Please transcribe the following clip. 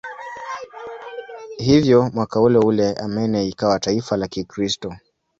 Hivyo mwaka uleule Armenia ikawa taifa la Kikristo.